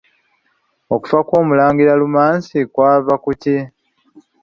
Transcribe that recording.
Okufa kw'Omulangira Lumansi kwava ku ki?